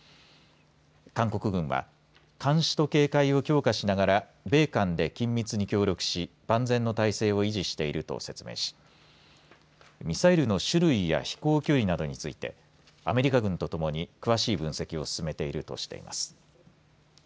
韓国軍は監視と警戒を強化しながら米韓で緊密に協力し万全の態勢を維持していると説明しミサイルの種類や飛行距離などについてアメリカ軍とともに詳しい分析を進めているとしています。